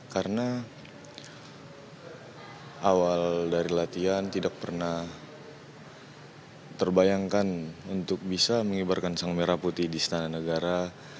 karena awal dari latihan tidak pernah terbayangkan untuk bisa mengibarkan sang merah putih di setanan negara